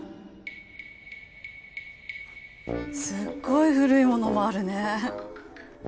すっごい古い物もあるね。